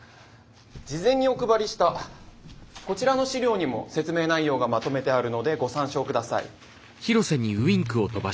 事前にお配りしたこちらの資料にも説明内容がまとめてあるのでご参照下さい。